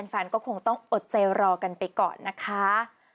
แฟนก็คงต้องอดใจรอกันไปก่อนนะคะ